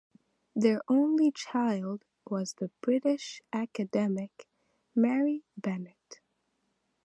Their only child was the British academic, Mary Bennett.